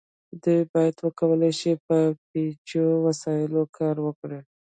دوی باید وکولی شي په پیچلو وسایلو کار وکړي.